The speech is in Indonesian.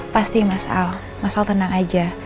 pasti mas al mas al tenang aja